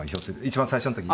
一番最初の時。